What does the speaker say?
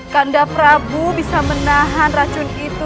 kanda prabu bisa menahan racun itu